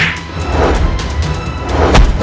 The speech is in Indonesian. aku akan menangkap dia